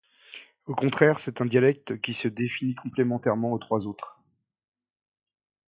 Au contraire, c'est un dialecte qui se définit complémentairement aux trois autres.